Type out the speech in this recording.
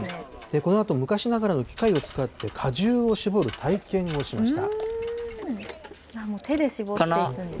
このあと昔ながらの機械を使って果汁を搾る体験をしました。